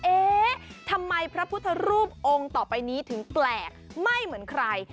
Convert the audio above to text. เอ๊ะทำไมพระพุทธรูปองค์ต่อไปนี้ถึงแปลกไม่เหมือนใคร